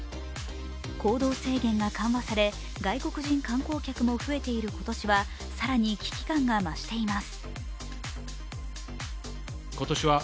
行動制限が緩和され、外国人観光客も増えている今年は更に危機感が増しています。